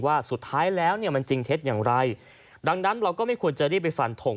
ว่าสุดท้ายแล้วเนี่ยมันจริงเท็จอย่างไรดังนั้นเราก็ไม่ควรจะรีบไปฟันทง